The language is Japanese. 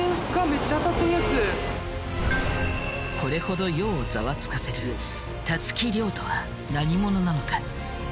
これほど世をざわつかせるとは何者なのか？